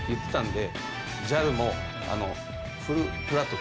で。